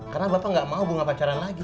karena bapak nggak mau bunga pacaran lagi